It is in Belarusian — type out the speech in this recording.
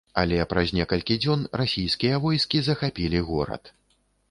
Але праз некалькі дзён расійскія войскі захапілі горад.